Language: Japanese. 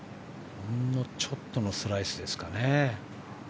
ほんのちょっとのスライスですかね。